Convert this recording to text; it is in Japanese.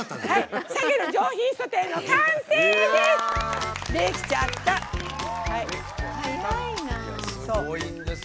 「鮭の上品ソテー」の完成です。